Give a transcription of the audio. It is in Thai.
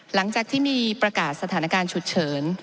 หลังจากที่มีประกาศสถานการณ์ฉุกเฉิน